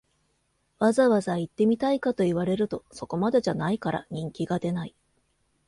わざわざ行ってみたいかと言われると、そこまでじゃないから人気が出ない